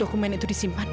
oh ternyata ini ruangannya